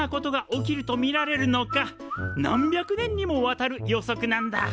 何百年にもわたる予測なんだ。